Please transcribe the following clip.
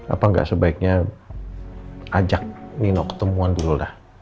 apa gak sebaiknya ajak nino ketemuan dulu dah